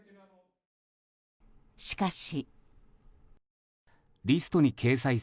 しかし。